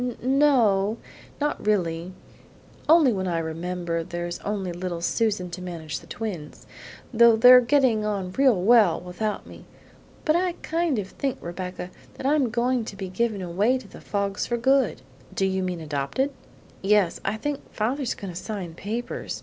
"No o; not really; only when I remember there's only little Susan to manage the twins; though they're getting on real well without me. But I kind of think, Rebecca, that I'm going to be given away to the Foggs for good." "Do you mean adopted?" "Yes; I think father's going to sign papers.